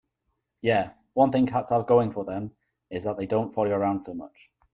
Yeah, one thing cats have going for them is that they don't follow you around so much.